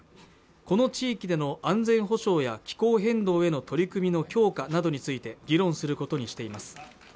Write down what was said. この地域での安全保障や気候変動への取り組みの強化などについて議論することにしています